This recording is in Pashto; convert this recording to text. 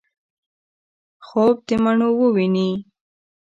خوب دمڼو وویني